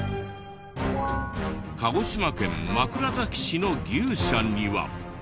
鹿児島県枕崎市の牛舎には。